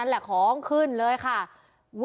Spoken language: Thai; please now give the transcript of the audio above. อิสธิวัฒน์อิสธิวัฒน์